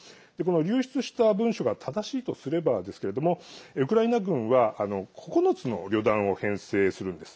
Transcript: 流出した文書が正しいとすればですけどもウクライナ軍は９つの旅団を編成するんです。